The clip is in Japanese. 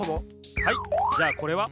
はいじゃあこれは？